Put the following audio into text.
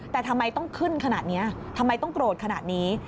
แต่ทำไมต้องขึ้นขนาดนี้ทำไมต้องโกรธขนาดนี้